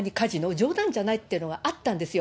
冗談じゃないっていうのはあったんですよ。